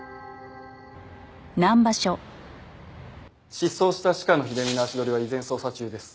失踪した鹿野秀美の足取りは依然捜査中です。